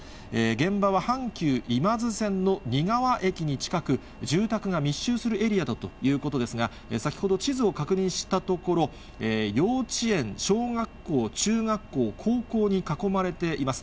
現場は阪急今津線の仁川駅に近く、住宅が密集するエリアだということですが、先ほど地図を確認したところ、幼稚園、小学校、中学校、高校に囲まれています。